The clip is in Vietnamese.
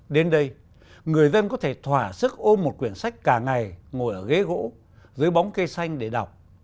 đến đây người dân có thể thỏa sức ôm một quyển sách cả ngày ngồi ở ghế gỗ dưới bóng cây xanh để đọc